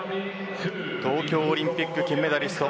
東京オリンピック金メダリスト